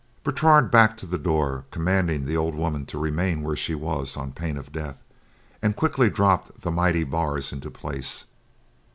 Bertrade backed to the door, commanding the old woman to remain where she was, on pain of death, and quickly dropped the mighty bars into place.